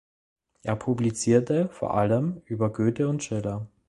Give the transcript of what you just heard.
Er publizierte vor allem über Goethe und Schiller.